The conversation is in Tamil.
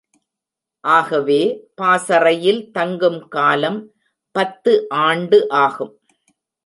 ஆகவே, பாசறையில் தங்கும் காலம் பத்து ஆண்டு ஆகும்.